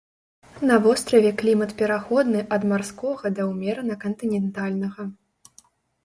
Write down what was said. На востраве клімат пераходны ад марскога да ўмерана-кантынентальнага.